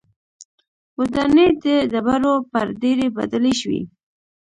ودانۍ د ډبرو پر ډېرۍ بدلې شوې.